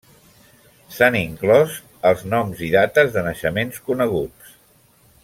S'han inclòs els noms i dates de naixement coneguts.